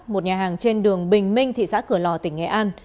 một nhà hàng trên đường bình minh thị xã cửa lò tỉnh nghệ an